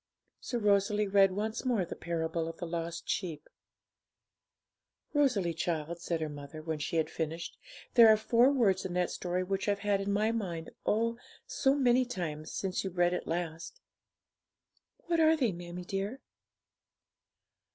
So Rosalie read once more the parable of the Lost Sheep. 'Rosalie, child,' said her mother, when she had finished, 'there are four words in that story which I've had in my mind, oh, so many times, since you read it last.' 'What are they, mammie dear?'